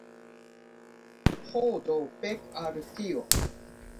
Ho, do fek al tio